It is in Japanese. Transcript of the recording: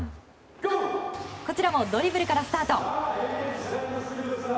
こちらもドリブルからスタート。